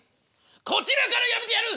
こちらからやめてやる！